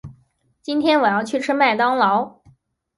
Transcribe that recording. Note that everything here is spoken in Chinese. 今天我要去吃麦当劳。